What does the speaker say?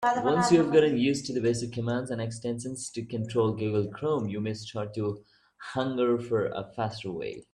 Once you've gotten used to the basic commands and extensions to control Google Chrome, you may start to hunger for a faster way.